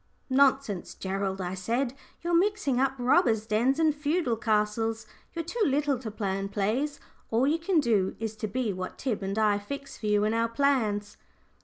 "Nonsense, Gerald!" I said. "You're mixing up robbers' dens and feudal castles. You're too little to plan plays. All you can do is to be what Tib and I fix for you in our plans."